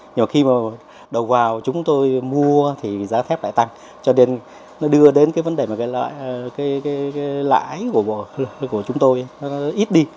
nhưng khi đầu vào chúng tôi mua thì giá thép lại tăng cho nên nó đưa đến vấn đề lãi của chúng tôi ít đi